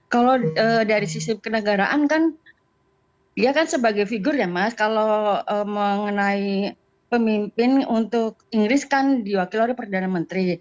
kalau dari sisi kenegaraan kan dia kan sebagai figur ya mas kalau mengenai pemimpin untuk inggris kan diwakil oleh perdana menteri